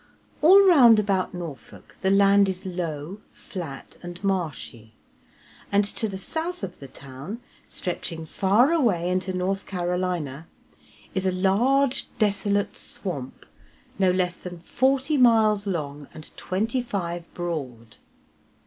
All round about Norfolk the land is low, flat, and marshy, and to the south of the town, stretching far away into North Carolina, is a large, desolate swamp, no less than forty miles long and twenty five broad.